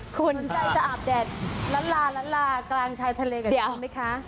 สนใจจะอาบแดดลาลากลางชายทะเลกับชั้นมั้ยคะ